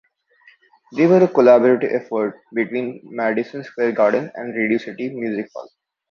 They were a collaborative effort between Madison Square Garden and Radio City Music Hall.